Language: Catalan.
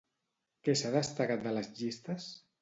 Què s'ha destacat de les llistes?